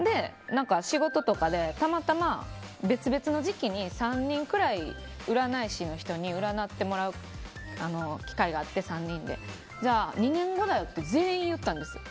仕事とかでたまたま別々の時期に３人くらい占い師の人に占ってもらう機会があって２年後だよって全員、言ったんです。